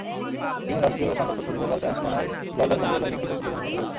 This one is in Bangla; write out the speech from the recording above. চীনের রাষ্ট্রীয় সংবাদপত্র গ্লোবাল টাইমস জানায়, গোয়াদার বন্দর এলাকায় কিছু প্রতিবন্ধকতা রয়েছে।